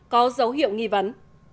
có dấu hiệu nghi vấn